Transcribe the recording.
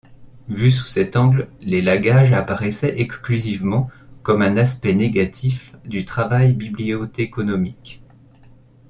Vu sous cet angle, l'élagage apparaissait exclusivement comme un aspect négatif du travail bibliothéconomique.